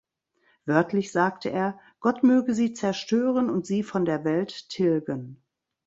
Wörtlich sagte er: „Gott möge sie zerstören und sie von der Welt tilgen“.